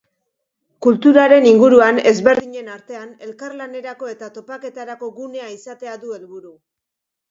Kulturaren inguruan, ezberdinen artean elkarlanerako eta topaketarako gunea izatea du helburu.